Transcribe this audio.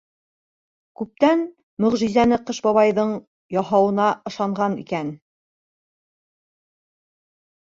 Күптәр мөғжизәне Ҡыш бабайҙың яһауына ышанған икән.